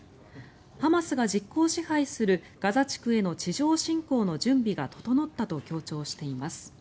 ハマスが実効支配するガザ地区への地上侵攻の準備が整ったと強調しています。